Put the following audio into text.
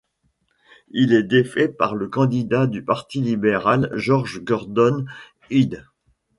Il est défait par le candidat du parti libéral, Georges Gordon Hyde.